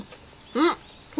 うん。